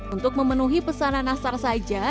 untuk memenuhi pesanan nastar saja